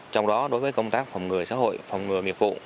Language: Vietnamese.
trong đó đối với công tác phòng ngừa xã hội phòng ngừa miệng phụ